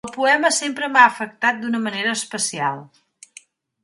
El poema sempre m'ha afectat d'una manera especial.